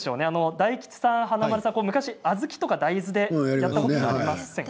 大吉さん、華丸さん昔小豆や大豆でやったことありませんか。